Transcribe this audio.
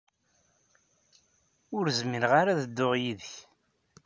Ur zmireɣ ara ad dduɣ yid-k.